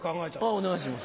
お願いします。